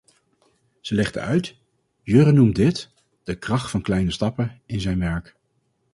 Ze legde uit: "Jurre noemt dit ‘De Kracht van Kleine Stappen’ in zijn werk."